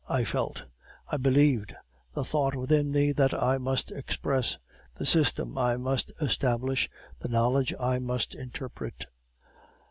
I felt, I believed, the thought within me that I must express, the system I must establish, the knowledge I must interpret.